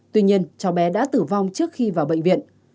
tuy nhiên cháu bé đã tử vong trước khi vào bệnh viện